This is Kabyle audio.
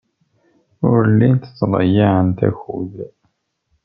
Ur llint ttḍeyyiɛent akud.